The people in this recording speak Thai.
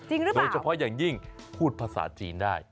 จริงหรือเปล่าโดยเฉพาะอย่างยิ่งพูดภาษาจีนได้